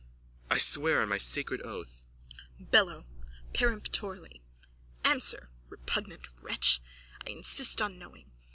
I swear on my sacred oath... BELLO: (Peremptorily.) Answer. Repugnant wretch! I insist on knowing.